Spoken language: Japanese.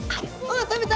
食べた！